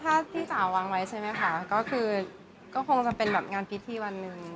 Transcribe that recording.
ถ้าพี่จ๋าววางไว้ใช่ไหมคะก็คงจะเป็นงานพิธทธิ์วันหนึ่ง